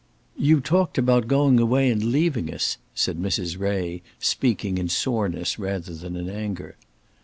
"You talked about going away and leaving us," said Mrs. Ray, speaking in soreness rather than in anger.